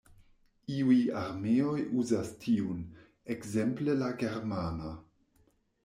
Iuj armeoj uzas tiun, ekzemple la Germana.